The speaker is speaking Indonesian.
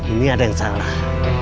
ini ada yang salah